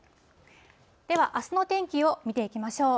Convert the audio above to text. ではあすの天気を見ていきましょう。